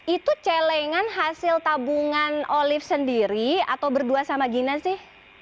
itu celengan hasil tabungan olive sendiri atau berdua sama gina sih